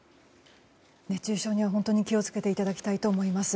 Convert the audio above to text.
熱中症には本当に気を付けていただきたいと思います。